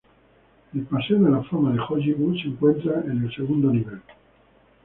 El Paseo de la Fama de Hollywood se encuentra en el segundo nivel.